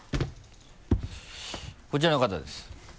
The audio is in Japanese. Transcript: こちらの方です。